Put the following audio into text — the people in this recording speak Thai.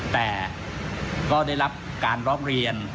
แต่ก็ได้รับการร้องเรียน